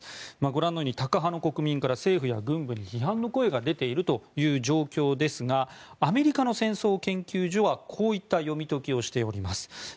ご覧のようにタカ派の国民から政府や軍部に批判の声が出ているという状況ですがアメリカの戦争研究所はこういった読み解きをしております。